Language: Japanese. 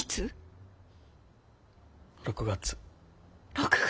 ６月。